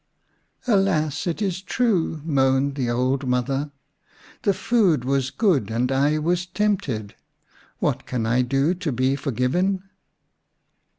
" Alas, it is true," moaned the old mother. " The food was good, and I was tempted. What can I do to be forgiven